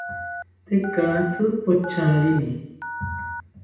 Tekatzi pocharini